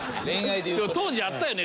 でも当時あったよね。